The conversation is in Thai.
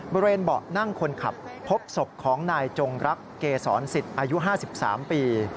บริเวณเบาะนั่งคนขับพบศพของนายจงรักเกษรสิทธิ์อายุ๕๓ปี